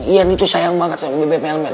ian itu sayang banget sama bebek melmel